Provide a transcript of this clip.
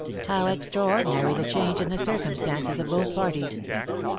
How extraordinary the change in the circumstances of both parties